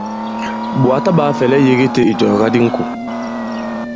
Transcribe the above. Ɓòt ɓa taɓāa fɛ̀lɛ yēge i tē ìjɔ̀ga di ŋkò.